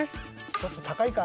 ちょっとたかいか？